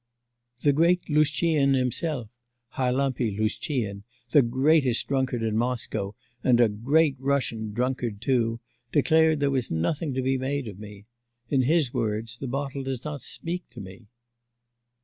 The great Lushtchihin himself Harlampy Lushtchihin the greatest drunkard in Moscow, and a Great Russian drunkard too, declared there was nothing to be made of me. In his words, the bottle does not speak to me.